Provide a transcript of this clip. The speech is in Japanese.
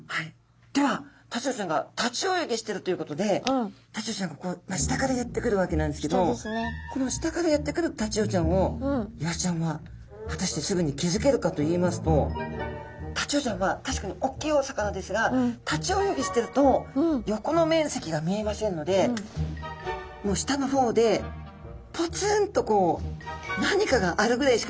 ではタチウオちゃんが立ち泳ぎしてるということでタチウオちゃんがこう下からやって来るわけなんですけどこの下からやって来るタチウオちゃんをイワシちゃんは果たしてすぐに気付けるかといいますとタチウオちゃんは確かにおっきいお魚ですが立ち泳ぎしてると横の面積が見えませんのでもう下の方でぽつんとこう何かがあるぐらいしか見えないと思うんですね。